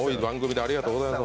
ありがとうございます。